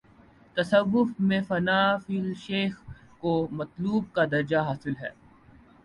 تصوف میں فنا فی الشیخ کو مطلوب کا درجہ حا صل ہے۔